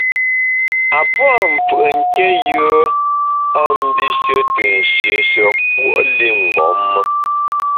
A pua’ mfù’ nké yùe a mbishe te nshieshe puo’ li mgbom me.